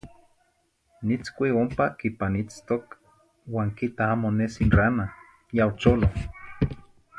Nitzcuih ompa quipanitztoc uan quita amo nesi n rana; ya ocholoh.